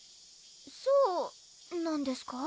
そうなんですか？